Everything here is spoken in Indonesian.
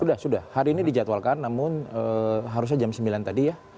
sudah sudah hari ini dijadwalkan namun harusnya jam sembilan tadi ya